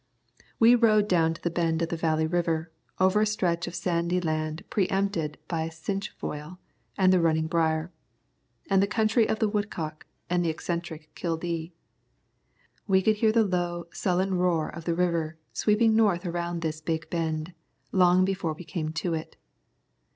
We rode down to the bend of the Valley River over a stretch of sandy land pre empted by the cinque foil and the running brier, the country of the woodcock and the eccentric kildee. We could hear the low, sullen roar of the river sweeping north around this big bend, long before we came to it.